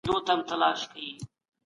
افغان خبریالان د وینا بشپړه ازادي نه لري.